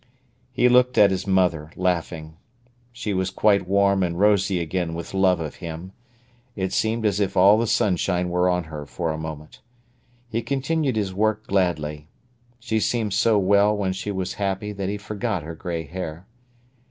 He looked at his mother, laughing. She was quite warm and rosy again with love of him. It seemed as if all the sunshine were on her for a moment. He continued his work gladly. She seemed so well when she was happy that he forgot her grey hair.